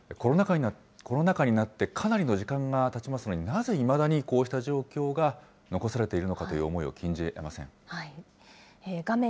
コロナ禍になって、かなりの時間がたちますのに、なぜいまだにこうした状況が残されているのかという思いを禁じえ画面